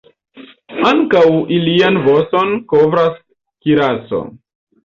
Ankaŭ ilian voston kovras kiraso.